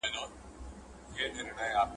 مونږ غواړو چي پښتو ژبه نړیواله شي.